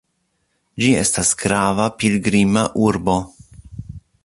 Ĝi estas grava pilgrima urbo.